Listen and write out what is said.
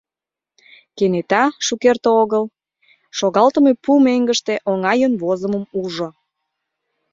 Кенета шукерте огыл шогалтыме пу меҥгыште оҥайын возымым ужо.